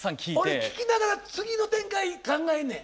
俺聞きながら次の展開考えんねん。